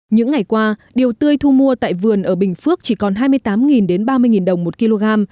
những ngày qua điều tươi thu mua tại vườn ở bình phước chỉ còn hai mươi tám ba mươi đồng một kg